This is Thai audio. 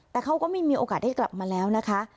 แต่เขาก็ไม่มีโอกาสได้กลับมาแล้วนะคะ